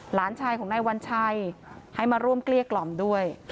หลานชายของนายวัญชัยให้มาร่วมเกลี้ยกล่อมด้วย